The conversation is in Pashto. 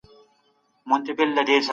دوستان به دې پریږدي.